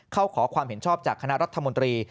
ขอความเห็นชอบจากคณะรัฐมนตรี